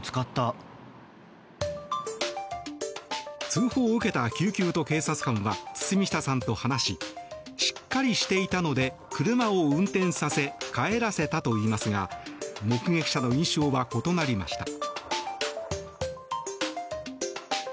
通報を受けた救急と警察官は堤下さんと話ししっかりしていたので車を運転させ帰らせたといいますが目撃者の印象は異なりました。